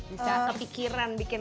bisa kepikiran bikin